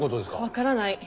わからない。